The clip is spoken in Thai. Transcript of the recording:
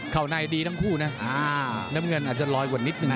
เข้าในดีทั้งคู่นะน้ำเงินอาจจะลอยกว่านิดนึงนะ